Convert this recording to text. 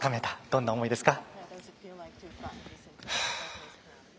どんな思いですか？